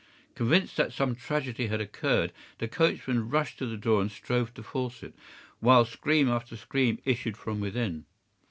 Convinced that some tragedy had occurred, the coachman rushed to the door and strove to force it, while scream after scream issued from within.